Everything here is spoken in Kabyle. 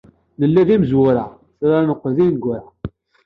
Nella d imezwura, tura neqqel d ineggura.